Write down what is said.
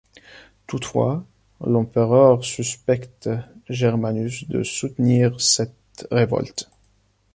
Toutefois, l'empereur suspecte Germanus de soutenir cette révolte.